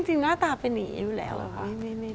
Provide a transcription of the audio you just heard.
จริงหน้าตาเป็นอย่างนี้อยู่แล้วไม่ได้